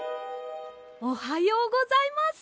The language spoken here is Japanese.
おはようございます。